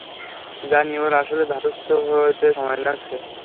জানি, ওর আসলে ধাতস্থ হতে সময় লাগছে।